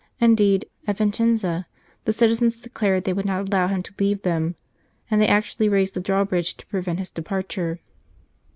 Indeed, at Vincenza the citizens declared they would not allow him to leave them, and they actually raised the drawbridge to prevent his departure.